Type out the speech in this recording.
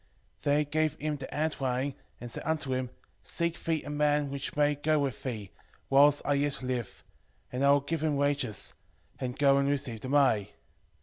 5:3 Then he gave him the handwriting, and said unto him, Seek thee a man which may go with thee, whiles I yet live, and I will give him wages: and go and receive the money.